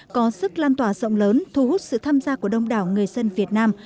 có sức lan tỏa rộng lớn thu hút sự tham gia của đông đảo người dân việt nam